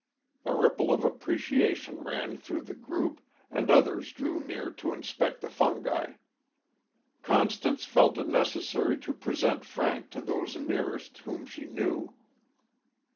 A ripple of appreciation ran through the group, and others drew near to inspect the fungi. Constance felt it necessary to present Frank to those nearest, whom she knew.